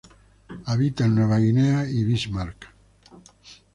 Habita en Nueva Guinea y Bismarck.